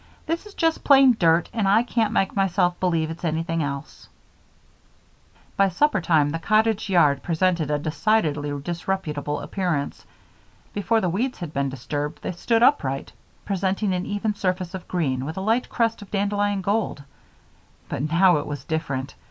This is just plain dirt and I can't make myself believe it's anything else." By supper time the cottage yard presented a decidedly disreputable appearance. Before the weeds had been disturbed they stood upright, presenting an even surface of green with a light crest of dandelion gold. But now it was different.